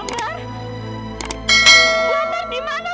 bu amar dimana bu